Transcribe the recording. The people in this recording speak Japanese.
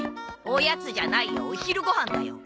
おやつじゃないよお昼ご飯だよ。